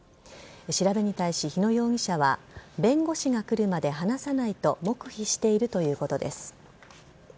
調べに対し、日野容疑者は弁護士が来るまで話さないと黙秘しているということです。